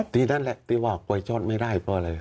ทีนั้นแหละที่ว่ากล้วยทอดไม่ได้เพราะอะไร